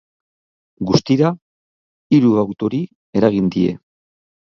Guztira, hiru autori eragin die.